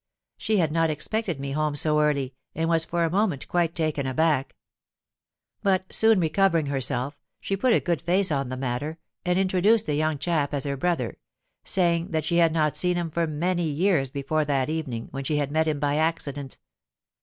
She had not expected me home so early, and was for a moment quite taken aback. But soon recovering herself, she put a good face on the matter, and introduced the young chap as her brother; saying that she had not seen him for many years before that evening, when she had met him by accident.